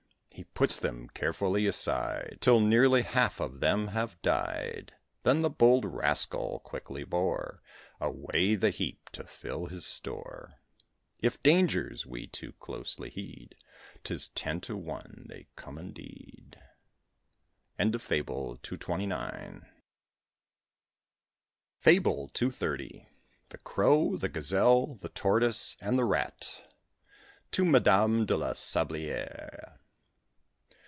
He puts them carefully aside, Till nearly half of them have died; Then the bold rascal quickly bore Away the heap, to fill his store. If dangers we too closely heed, 'Tis ten to one they come indeed. FABLE CCXXX. THE CROW, THE GAZELLE, THE TORTOISE, AND THE RAT. TO MADAME DE LA SABLIÈRE.